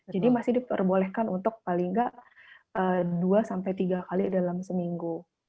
jadi masih diperbolehkan untuk paling gak dua tiga kali dalam seminggu